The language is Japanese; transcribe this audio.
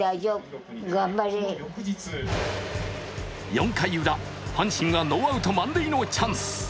４回ウラ、阪神はノーアウト満塁のチャンス。